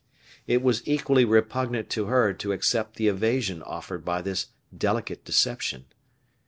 It was equally repugnant to her to accept the evasion offered by this delicate deception.